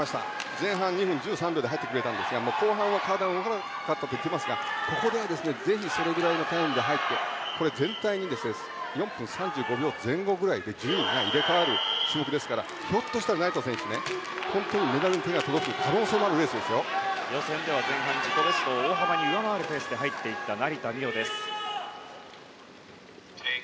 前半２分１３秒で入ったんですが後半は体が動かなかったと言っていますがぜひそれくらいのタイムで入って全体で４分３５秒前後ぐらいで順位が入れ替わる種目ですからひょっとしたら成田選手もメダルに届く予選では前半自己ベストを大幅に上回るペースで入っていった成田実生です。